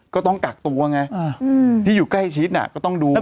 ก็ต้องกักตัวไงที่อยู่ใกล้ชิดก็ต้องดู